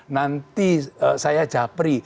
nanti saya japri